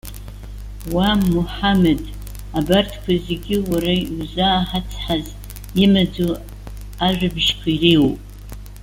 Уа, Муҳаммед! Абарҭқәа зегьы уара иузааҳацҳаз имаӡоу ажәабжьқәа иреиуоуп.